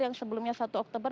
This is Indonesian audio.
yang sebelumnya satu oktober